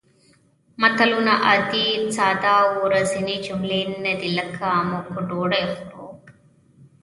متلونه عادي ساده او ورځنۍ جملې نه دي لکه موږ ډوډۍ خورو